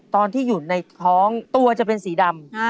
ตอนที่อยู่ในท้องตัวจะเป็นสีดำ